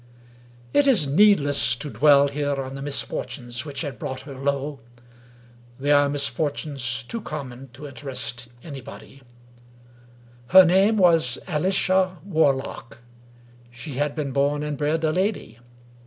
It is need less to dwell here on the misfortunes which had brought 242 Wilkie Collins her low; they are misfortunes too common to interest any body. Her name was Alicia Warlock. She had been born and bred a lady.